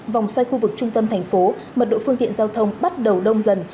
vòng xoay khu vực trung tâm thành phố mật độ phương tiện giao thông bắt đầu đông dần